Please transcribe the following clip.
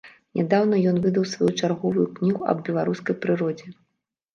Нядаўна ён выдаў сваю чарговую кнігу аб беларускай прыродзе.